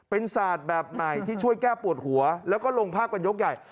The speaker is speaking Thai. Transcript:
เป็นศาสตร์แบบใหม่ที่ช่วยแก้ปวดหัวแล้วก็ลงภาพกันยกใหญ่